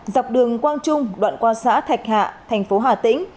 dọc đường quang trung đoạn qua xã thạch hạ thành phố hà tĩnh